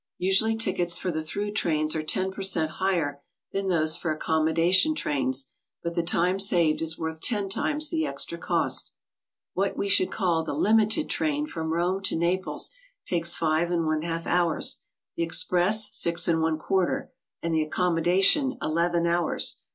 Usually tickets for the through trains are lo per cent, higher than those for accommodation trains, but the time saved is worth ten times the extra cost. What we should call the "limited" train from Rome to Naples takes 5 1 2 hours; the express, 61 4; and the accommodation, ii hours.